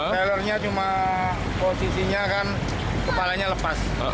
sellernya cuma posisinya kan kepalanya lepas